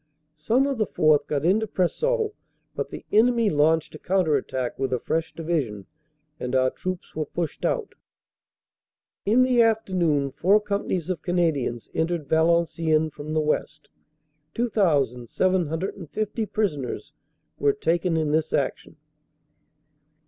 Some of the 4th. got into Preseau, but the enemy launched a counter attack with a fresh Division and our troops were pushed out. "In the afternoon four companies of Canadians entered Valenciennes from the west. 2,750 prisoners were taken in this action."